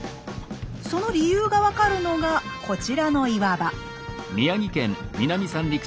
その理由が分かるのがこちらの岩場。